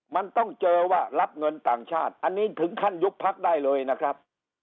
มันต้องเจอว่ารับเงินต่างชาติอันนี้ถึงขั้นยุบพักได้เลยนะครับ